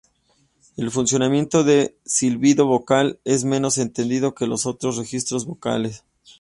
El funcionamiento del silbido vocal es menos entendido que los otros registros vocales.